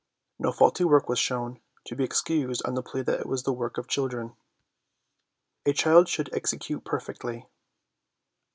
No faulty work was shown, to be excused on the plea that it was the work of children. A Child should Execute Perfectly.